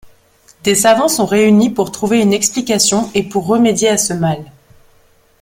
Des savants sont réunis pour trouver une explication et pour remédier à ce mal.